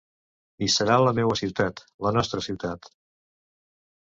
I serà la meua ciutat, la nostra ciutat..